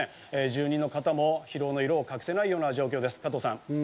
住民の方も疲労の色を隠せないような状況です。